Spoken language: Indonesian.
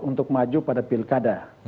untuk maju pada pilkada